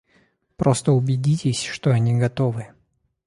Просто убедитесь, что они готовы.